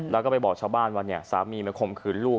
แล้วก็ไปบอกชาวบ้านว่าเนี่ยสามีมาข่มขืนลูก